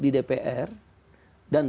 di dpr dan